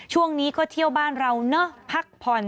ช่วงนี้ก็เที่ยวบ้านเราเนอะพักผ่อน